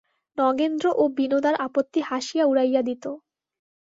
নগেন্দ্র ও বিনোদার আপত্তি হাসিয়া উড়াইয়া দিত।